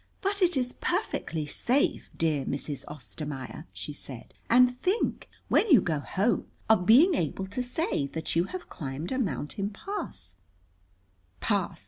"But it is perfectly safe, dear Mrs. Ostermaier," she said "And think, when you go home, of being able to say that you have climbed a mountain pass." "Pass!"